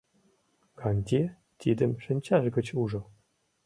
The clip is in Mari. Гантье тидым шинчаж гыч ужо.